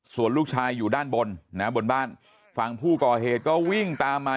ส่วนลูกชายอยู่ด้านบนนะบนบ้านฝั่งผู้ก่อเหตุก็วิ่งตามมา